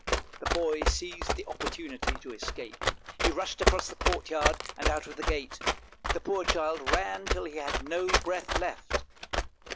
The boy seized the opportunity to escape; he rushed across the courtyard and out of the gate. The poor child ran till he had no breath left.